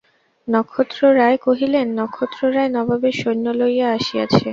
নক্ষত্ররায় কহিলেন, নক্ষত্ররায় নবাবের সৈন্য লইয়া আসিয়াছে।